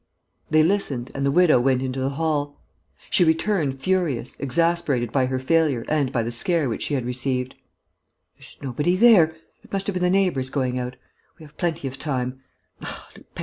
They listened and the widow went into the hall. She returned, furious, exasperated by her failure and by the scare which she had received: "There's nobody there.... It must have been the neighbours going out.... We have plenty of time....